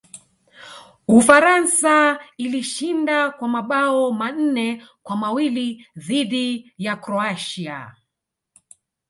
ufaransa ilishinda kwa mabao manne kwa mawili dhidi ya croatia